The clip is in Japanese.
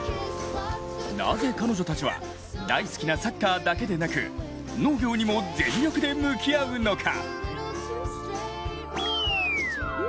なぜ彼女たちは、大好きなサッカーだけでなく農業にも全力で向き合うのか。